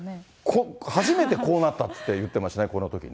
初めてこうなったって言ってましたね、このときね。